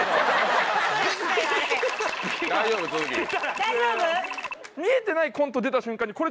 大丈夫？